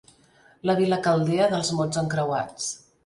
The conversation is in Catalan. La vila caldea dels mots encreuats.